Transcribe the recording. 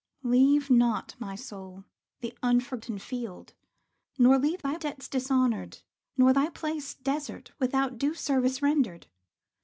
Leave not, my soul, the unfoughten field, nor leave Thy debts dishonoured, nor thy place desert Without due service rendered.